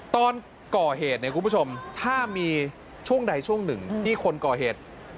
ตอนก่อเหตุถ้ามีช่วงใดช่วงหนึ่งที่คนก่อเหตุ